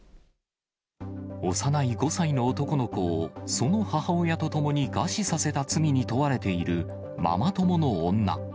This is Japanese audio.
幼い５歳の男の子を、その母親とともに餓死させた罪に問われているママ友の女。